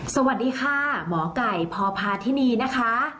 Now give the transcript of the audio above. สวัสดีค่ะหมอไก่พพาธินีนะคะ